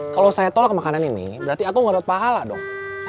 kalau saya tolak makanan ini berarti aku ngedorot pahala dong